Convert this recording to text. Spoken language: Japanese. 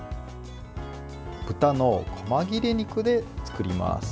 豚のこま切れ肉で作ります。